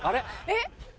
えっ？